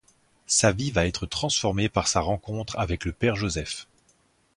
Sa vie va être transformée par sa rencontre avec le Père Joseph.